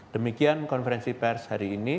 demikian konferensi pers hari ini